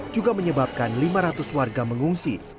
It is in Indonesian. juga menyebabkan lima ratus warga mengungsi